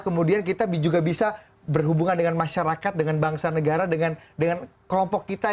kemudian kita juga bisa berhubungan dengan masyarakat dengan bangsa negara dengan kelompok kita